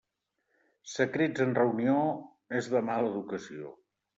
Secrets en reunió, és de mala educació.